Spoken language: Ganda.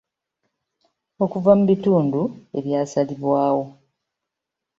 Okuva mu bitundu ebyasalibwawo.